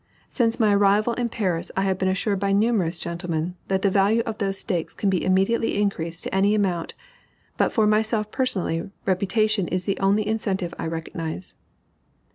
Since my arrival in Paris I have been assured by numerous gentlemen that the value of those stakes can be immediately increased to any amount; but, for myself personally, reputation is the only incentive I recognize.